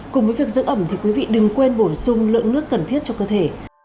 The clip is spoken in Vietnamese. cùng với việc giữ ẩm thì quý vị đừng quên bổ sung lượng nước cần thiết cho cơ thể